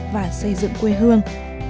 và xây dựng quê hương